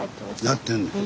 やってんねん。